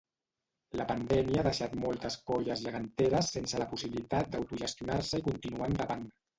La pandèmia ha deixat moltes colles geganteres sense la possibilitat d'autogestionar-se i continuar endavant.